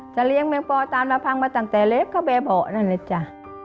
จะเลี้ยงแม่งปอตามลำพังมาตั้งแต่เล็กก็แบบเหาะนะเนี่ยจ้ะ